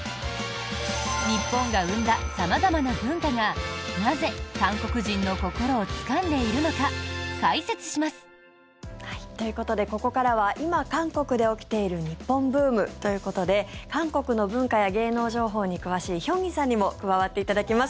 日本が生んだ様々な文化がなぜ韓国人の心をつかんでいるのか解説します。ということで、ここからは今、韓国で起きている日本ブームということで韓国の文化や芸能情報に詳しいヒョンギさんにも加わっていただきます。